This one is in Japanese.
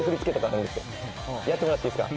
やってもらっていいですか。